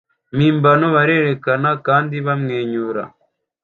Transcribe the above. mpimbano barerekana kandi bamwenyura